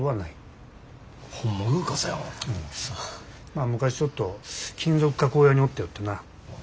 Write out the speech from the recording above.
まあ昔ちょっと金属加工屋におったよってな。